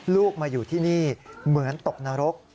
ลูกมาอยู่ที่นี่เหมือนตกนรก